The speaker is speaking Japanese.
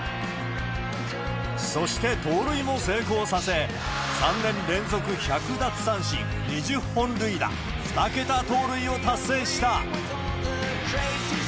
そして盗塁も成功させ、３年連続１００奪三振、２０本塁打、２桁盗塁を達成した。